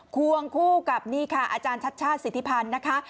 ควงคู่กับนี่ค่ะอาจารย์ชัดชาติสิทธิพันธ์นะคะ